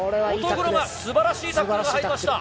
素晴らしいタックルが入りました。